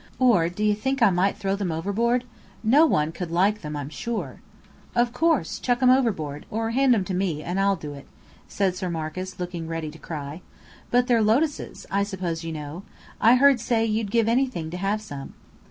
Or do you think I might throw them overboard? No one could like them, I'm sure." "Of course, chuck 'em overboard or hand 'em to me, and I'll do it," said Sir Marcus, looking ready to cry. "But they're lotuses, I suppose you know? I heard you say you'd give anything to have some."